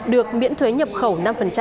được miễn thuế nhập khẩu năm